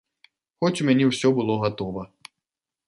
Хоць у мяне ўсё было гатова.